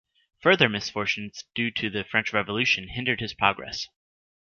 Further misfortunes due to the French Revolution hindered his progress.